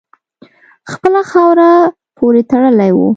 خپله خاوره پوري تړلی وو.